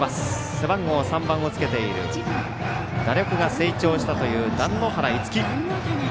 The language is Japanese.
背番号３番をつけている打力が成長したという團之原樹